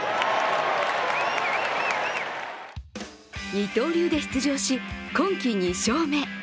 二刀流で出場し今季２勝目。